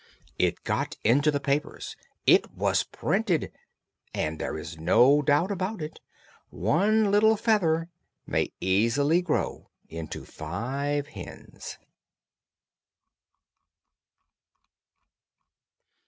It got into the papers, it was printed; and there is no doubt about it, one little feather may easily grow into five hens.